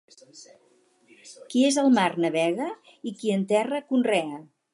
Qui és el mar, navega, i qui en terra, conrea.